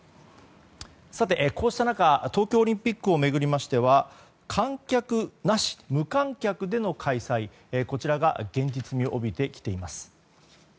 さて、こうした中東京オリンピックを巡りましては観客なし、無観客での開催が現実味を帯びてきています。